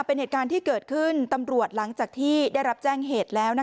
เป็นเหตุการณ์ที่เกิดขึ้นตำรวจหลังจากที่ได้รับแจ้งเหตุแล้ว